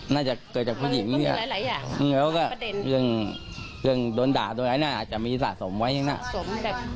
น่าจะเกิดจากผู้หญิงแล้วก็เรื่องโดนด่าตัวนั้นอาจจะมีสะสมไว้อย่างนั้น